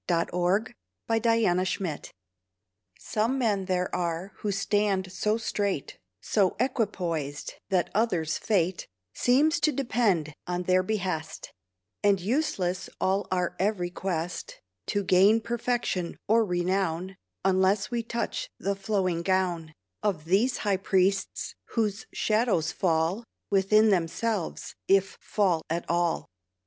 "OTHERS SAVE WITH FEAR" Some men there are who stand so straight, So equipoised, that others' fate Seems to depend on their behest; And useless all our every quest To gain perfection or renown, Unless we touch the flowing gown Of these high priests, whose shadows fall Within themselves, if fall at all.